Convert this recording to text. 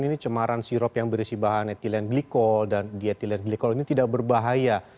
ini cemaran sirop yang berisi bahan etilen glikol dan dietilen glikol ini tidak berbahaya